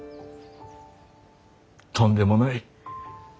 とんでもない。